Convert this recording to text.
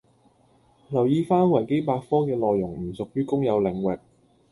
留意返維基百科嘅內容唔屬於公有領域